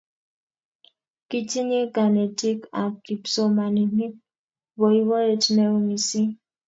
Kitinnye kanetik ak kipsomaninik boiboyet neo mising